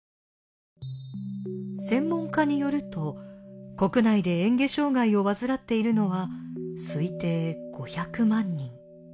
専門家によると国内で嚥下障がいを患っているのは推定５００万人。